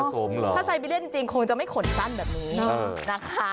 ถ้าใส่วิเลียนจริงคงจะไม่ขนสั้นแบบนี้นะคะ